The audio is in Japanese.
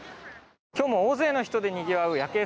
今日も大勢の人でにぎわう夜景